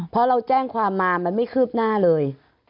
เพราะเราแจ้งความมามันไม่คืบหน้าเลย